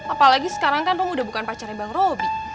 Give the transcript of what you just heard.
apalagi sekarang kan lu udah bukan pacarnya bang robby